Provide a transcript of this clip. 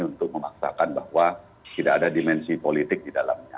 untuk memaksakan bahwa tidak ada dimensi politik di dalamnya